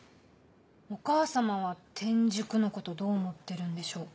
お母様は転塾のことどう思ってるんでしょうか。